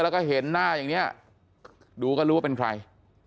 แล้วก็เห็นหน้าอย่างนี้ดูก็รู้ว่าเป็นใคร